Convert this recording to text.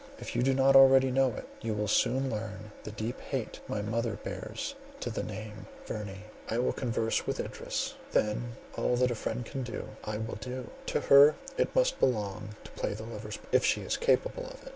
If you do not already know it, you will soon learn the deep hate my mother bears to the name Verney. I will converse with Idris; then all that a friend can do, I will do; to her it must belong to play the lover's part, if she be capable of it."